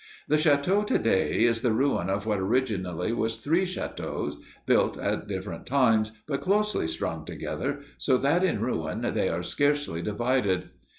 The château to day is the ruin of what originally was three châteaux, built at different times, but closely strung together, so that in ruin they are scarcely divided.